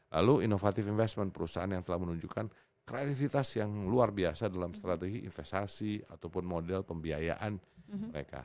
lalu inovatif investment perusahaan yang telah menunjukkan kreativitas yang luar biasa dalam strategi investasi ataupun model pembiayaan mereka